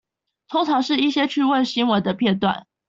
通常是一些趣味新聞的片段